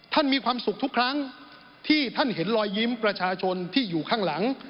มีความสุขทุกครั้งที่ท่านเห็นรอยยิ้มประชาชนที่อยู่ข้างหลัง